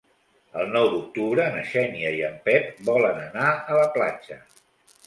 El nou d'octubre na Xènia i en Pep volen anar a la platja.